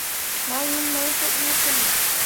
Mawin main pǝbeʼ pǝlli.